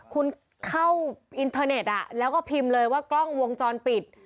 คุณเข้าอินเทอร์เน็ตแล้วก็พิมพ์เลยว่ากล้องวงจรปิด